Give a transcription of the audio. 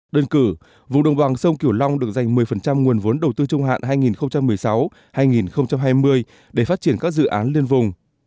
đơn cử vùng đồng bằng sông kiểu long được dành một mươi nguồn vốn đầu tư trung hạn hai nghìn một mươi sáu hai nghìn hai mươi để phát triển các dự án liên vùng